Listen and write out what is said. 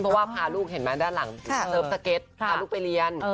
เพราะว่าพาลูกเห็นไหมด้านหลังเสิร์ฟสเก็ตพาลูกไปเรียน